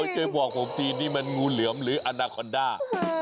จะบอกผมทีนี่มันงูเหลือมหรืออนาคอนด้า